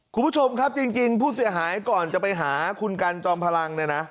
คุณผู้ชมครับจริงผู้เสียหายก่อนจะไปหาคุณกันจอมพลังเนี่ยนะ